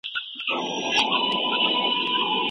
ګرګين په کوم ځای کي ووژل سو؟